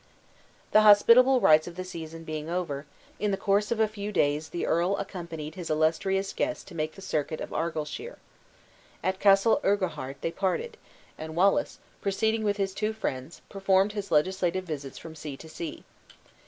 The hospitable rites of the season being over, in the course of a few days the earl accompanied his illustrious guest to make the circuit of Argyleshire. At Castle Urguhart they parted; and Wallace, proceeding with his two friends, performed his legislative visits from sea to sea.